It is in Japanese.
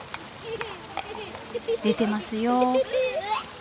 出てますよ。